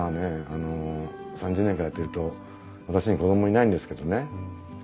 あの３０年間やってると私に子供いないんですけどね